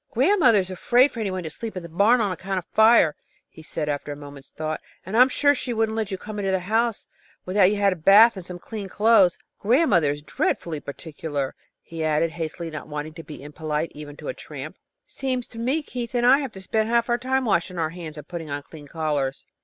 "Grandmother is afraid for anybody to sleep in the barn, on account of fire," he said, after a moment's thought, "and I'm sure she wouldn't let you come into the house without you'd had a bath and some clean clothes. Grandmother is dreadfully particular," he added, hastily, not wanting to be impolite even to a tramp. "Seems to me Keith and I have to spend half our time washing our hands and putting on clean collars."